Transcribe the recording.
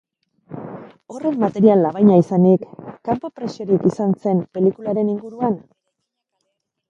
Horren material labaina izanik, kanpo presiorik izan zen pelikularen inguruan?